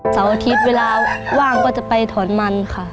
เสาร์อาทิตย์เวลาว่างก็จะไปถอนมันค่ะ